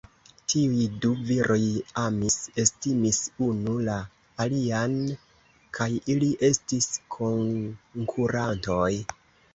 Tiuj du viroj amis, estimis unu la alian; kaj ili estis konkurantoj.